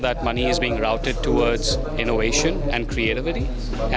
adalah untuk memastikan uang itu dikitar ke inovasi dan kreativitas